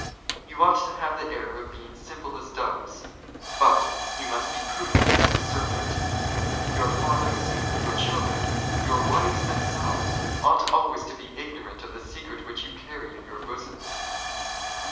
You ought have the air of being simple as doves, but " you must be prudent as the serpent. Your fathers, your children, " your wives themselves, ought always be ignorant of the secret " which you carry in your bosoms.